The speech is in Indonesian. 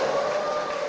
itu setengah miliar